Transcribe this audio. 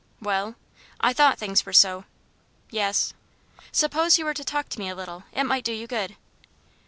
"Well?" "I thought things were so." "Yes." "Suppose you were to talk to me a little it might do you good."